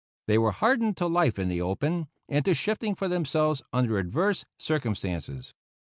They were hardened to life in the open, and to shifting for themselves under adverse circumstances.